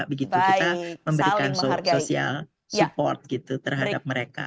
begitu kita memberikan sosial support gitu terhadap mereka